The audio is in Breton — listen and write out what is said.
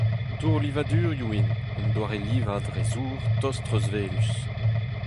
Dourlivadurioù int, un doare livañ dre zour tost treuzwelus.